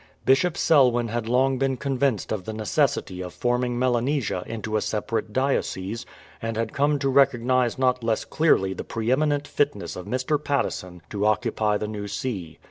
Bishop Selwyn had long been convinced of the necessity of forming Melanesia into a separate diocese, and had come to recog nize not less clearly the pre eminent fitness of Mr. Patteson to occupy the new see.